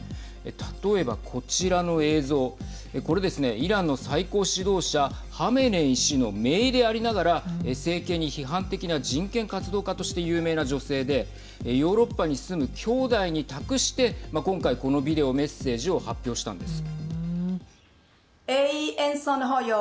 例えば、こちらの映像これですね、イランの最高指導者ハメネイ師のめいでありながら政権に批判的な人権活動家として有名な女性でヨーロッパに住むきょうだいに託して今回、このビデオメッセージを発表したんです。